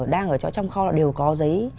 đang ở trong kho đều có giấy